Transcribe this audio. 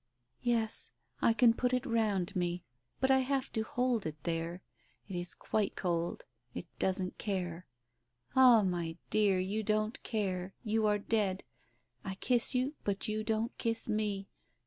"Yes, I can put it round me, but I have to hold it there. It is quite cold — it doesn't care. Ah, my dear, you don't care ! You are dead. I kiss you, but you don't kiss me.